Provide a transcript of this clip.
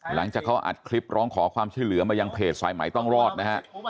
หลังจากเขาอัดคลิปร้องขอความช่วยเหลือมายังเพจสายใหม่ต้องรอดนะฮะ